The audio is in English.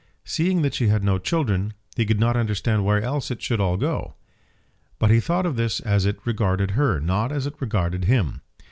Seeing that she had no children he could not understand where else it should all go. But he thought of this as it regarded her, not as it regarded him.